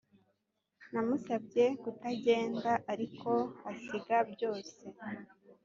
namusabye kutagenda, ariko asiga byose.